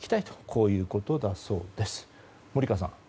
こういうことだそうです。